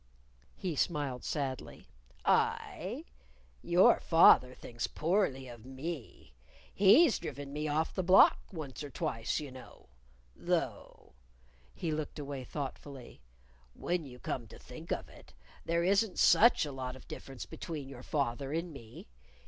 He smiled sadly. "I? Your father thinks poorly of me. He's driven me off the block once or twice, you know. Though" he looked away thoughtfully "when you come to think of it there isn't such a lot of difference between your father and me.